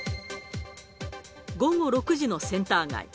午後６時のセンター街。